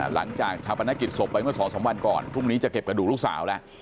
หลังจากชาปนกิจศพไปเมื่อ๒๓วันก่อนพรุ่งนี้จะเก็บกระดูกลูกสาวแล้ว